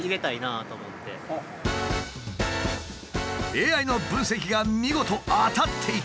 ＡＩの分析が見事当たっていたようだ。